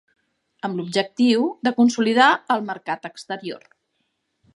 Amb l'objectiu de consolidar el mercat exterior.